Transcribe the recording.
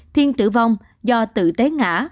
thiên tử vong do tự tế ngã